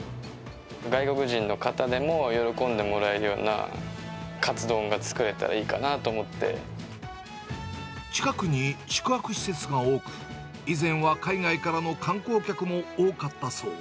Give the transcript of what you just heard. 外国人の方でも喜んでもらえるようなカツ丼が作れたらいいかなと近くに宿泊施設が多く、以前は海外からの観光客も多かったそう。